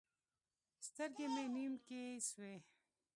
سترګې مې نيم کښې سوې.